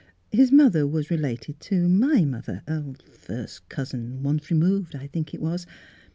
His mother was related to my mother — first cousin, once removed, I think it was.